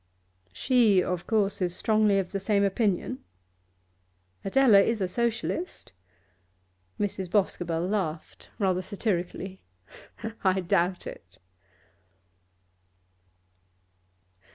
'She, of course, is strongly of the same opinion?' 'Adela is a Socialist.' Mrs. Boscobel laughed rather satirically. 'I doubt it.